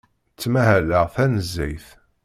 Ttmahaleɣ tanezzayt.